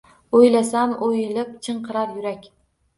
Oʼylasam, oʼyilib chinqirar yurak.